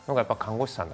看護師さんが。